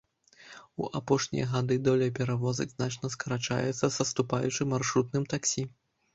У апошнія гады доля перавозак значна скарачаецца, саступаючы маршрутным таксі.